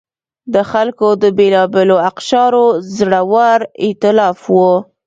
د خلکو د بېلابېلو اقشارو زړور اېتلاف و.